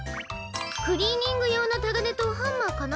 クリーニングようのたがねとハンマーかな。